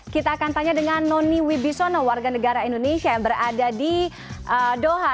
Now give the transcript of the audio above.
kita akan tanya dengan noni wibisono warga negara indonesia yang berada di doha